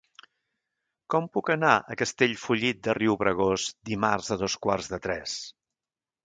Com puc anar a Castellfollit de Riubregós dimarts a dos quarts de tres?